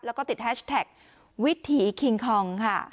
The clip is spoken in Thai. แล้วก็ติดแฮชแท็กวิถีคิงคองค่ะ